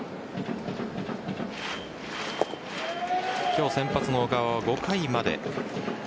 今日先発の小川は５回まで。